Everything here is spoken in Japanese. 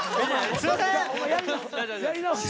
すいません！